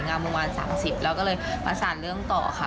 ประมาณ๓๐แล้วก็เลยประสานเรื่องต่อค่ะ